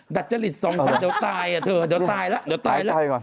ดัชฤตสองชั้นเดี๋ยวตายเดี๋ยวตายแล้ว